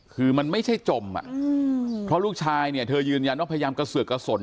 คือมันไม่ใช่จมอ่ะเพราะลูกชายเนี่ยเธอยืนยันว่าพยายามกระเสือกกระสน